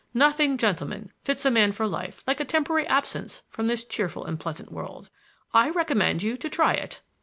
Nothing, gentlemen, fits a man for life like a temporary absence from this cheerful and pleasant world. I recommend you to try it."